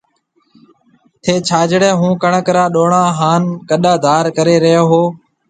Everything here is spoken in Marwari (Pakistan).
ٿَي ڇاجڙي هون ڪڻڪ را ڏونڻا هان ڪَڏآ ڌار ڪري رئي هو۔